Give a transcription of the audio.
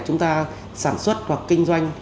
chúng ta sản xuất hoặc kinh doanh